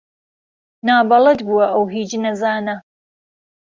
نابهڵەد بووه ئهو هیچ نەزانه